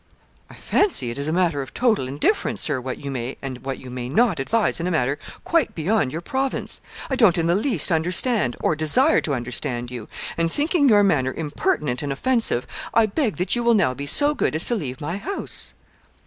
'I fancy it is a matter of total indifference, Sir, what you may and what you may not advise in a matter quite beyond your province I don't in the least understand, or desire to understand you and thinking your manner impertinent and offensive, I beg that you will now be so good as to leave my house.'